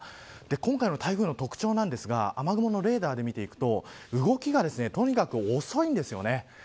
今回の台風の特徴なんですが雨雲のレーダーで見ていくと動きが、とにかく遅いんですよね。